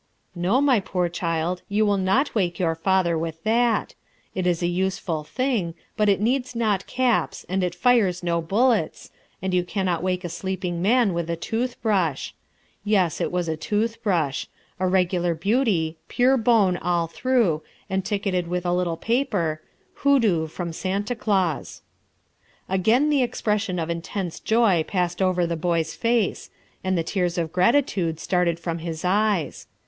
No, my poor child, you will not wake your father with that. It is a useful thing, but it needs not caps and it fires no bullets, and you cannot wake a sleeping man with a tooth brush. Yes, it was a tooth brush a regular beauty, pure bone all through, and ticketed with a little paper, "Hoodoo, from Santa Claus." Again the expression of intense joy passed over the boy's face, and the tears of gratitude started from his eyes.